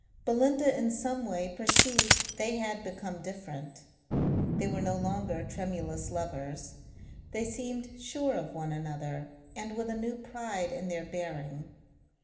Belinda in some way perceived they had become different. They were no longer tremulous lovers; they seemed sure of one another and with a new pride in their bearing.